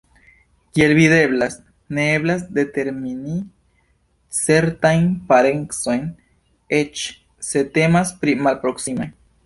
Kiel videblas, ne eblas determini certajn parencojn eĉ se temas pri malproksimaj.